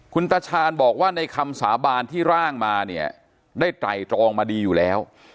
คุณตาชาญบอกว่าในคำสาบานที่ร่างมาเนี่ยได้ไตรตรองมาดีอยู่แล้ว